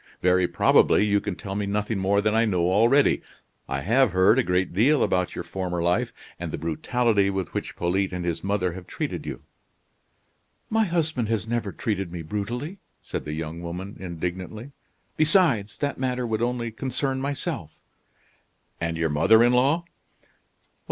Very probably you can tell me nothing more than I know already. I have heard a great deal about your former life, and the brutality with which Polyte and his mother have treated you." "My husband has never treated me brutally," said the young woman, indignantly; "besides, that matter would only concern myself." "And your mother in law?"